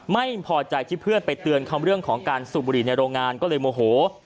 ไม่พอใจที่เพื่อนไปเตือนคำเรื่องของการสูบบุหรี่ในโรงงานก็เลยโมโห